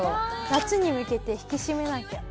夏に向けて引き締めなきゃ。